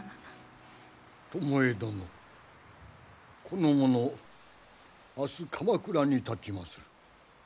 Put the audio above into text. この者明日鎌倉にたちまする。